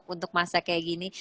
untuk masa kayak gini